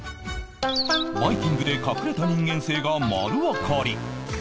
バイキングで隠れた人間性が丸わかり